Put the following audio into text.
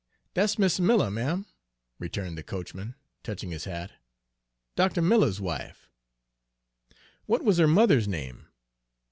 "Dat's Mis' Miller, ma'am," returned the coachman, touching his hat; "Doctuh Miller's wife." "What was her mother's name?"